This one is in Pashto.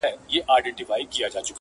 o ستا دردونه دي نیمی و ماته راسي,